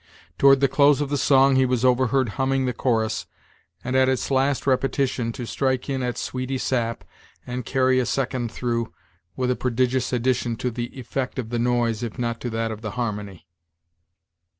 Toward the close of the song, he was overheard humming the chorus, and, at its last repetition, to strike in at "sweety sap," and carry a second through, with a prodigious addition to the "effect" of the noise, if not to that of the harmony.